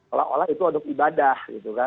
oleh orang itu untuk ibadah